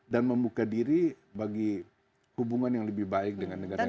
dan membuka diri bagi hubungan yang lebih baik dengan negara eropa